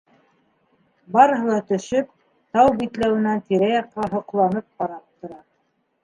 Барыһы ла төшөп, тау битләүенән тирә-яҡҡа һоҡланып ҡарап тора.